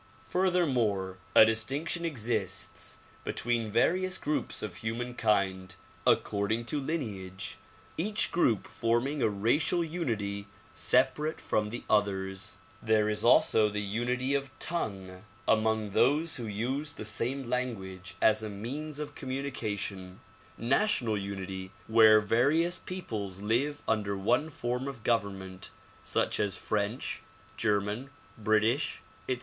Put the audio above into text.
Fur thennore, a distinction exists between various groups of human kind according to lineage, each group forming a racial unity sep arate from the others. There is also the unity of tongue among 186 THE PROMULGATION OF UNIVERSAL PEACE those who use the same language as a means of communication; national unity where various peoples live under one form of gov ernment such as French, German, British, etc.